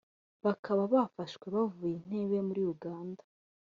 bakaba bafashwe bavuye Entebbe muri Uganda